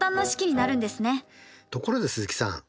ところで鈴木さん